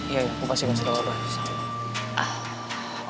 iya iya aku pasti kasih tau abah